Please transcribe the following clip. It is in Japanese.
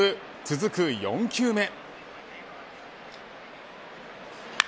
続く４球目。